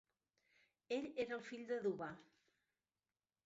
Ell era el fill de Duwa.